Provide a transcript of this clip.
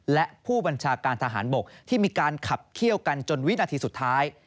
และผู้บัญชาการทหารบกที่มีการขับเขี้ยวกันจนวินาทีสุดท้าย